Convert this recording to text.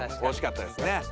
おしかったですね。